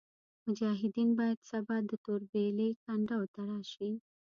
مجاهدین باید سبا د توربېلې کنډو ته راشي.